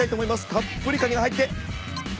たっぷりカニが入って。